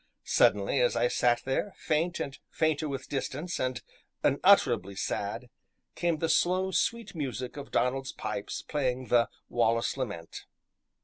Suddenly, as I sat there, faint and fainter with distance, and unutterably sad, came the slow, sweet music of Donald's pipes playing the "Wallace Lament."